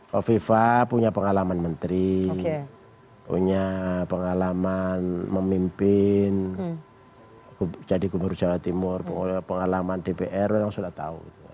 kofifa punya pengalaman menteri punya pengalaman memimpin jadi gubernur jawa timur pengalaman dpr orang sudah tahu